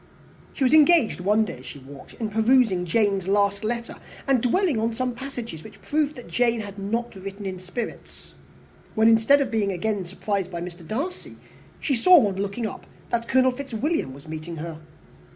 She was engaged one day, as she walked, in re perusing Jane's last letter, and dwelling on some passages which proved that Jane had not written in spirits, when, instead of being again surprised by Mr. Darcy, she saw, on looking up, that Colonel Fitzwilliam was meeting her.